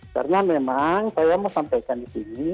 karena memang saya mau sampaikan di sini